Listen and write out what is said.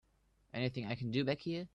Anything I can do back here?